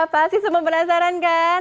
pasti semua penasaran kan